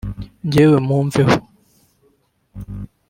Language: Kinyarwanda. Njyewe mumveho